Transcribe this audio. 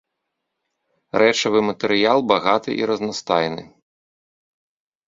Рэчавы матэрыял багаты і разнастайны.